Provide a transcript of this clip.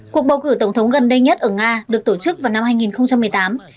cuộc bầu cử tổng thống gần đây nhất ở nga được tổ chức vào năm hai nghìn một mươi tám